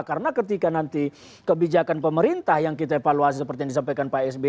karena ketika nanti kebijakan pemerintah yang kita evaluasi seperti yang disampaikan pak s b